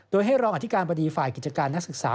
โดยให้รองอธิการบดีฝ่ายกิจการนักศึกษา